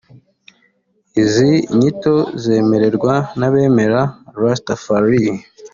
Izi nyito zemerwa n’abemera Rastafari